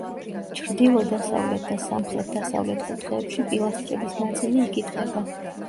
ჩრდილო-დასავლეთ და სამხრეთ დასავლეთ კუთხეებში პილასტრების ნაწილი იკითხება.